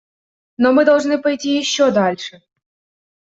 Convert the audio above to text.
Но мы должны пойти еще дальше.